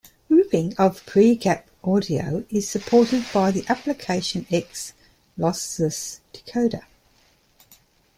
Ripping of pregap audio is supported by the application X Lossless Decoder.